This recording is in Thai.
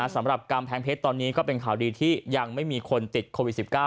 สำหรับกำแพงเพชรตอนนี้ก็เป็นข่าวดีที่ยังไม่มีคนติดโควิด๑๙